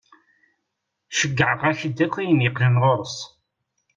Cceyɛeɣ-ak-d akk ayen yeqqnen ɣur-s.